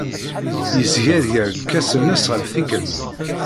Yesgerger lkas-nnes ɣef tikkelt.